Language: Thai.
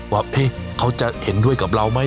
ว่าเขาจะเห็นด้วยกับเราไหม